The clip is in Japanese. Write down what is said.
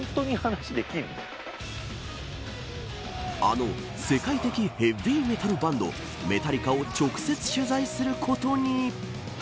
あの世界的ヘヴィメタルバンドメタリカを直接取材することに。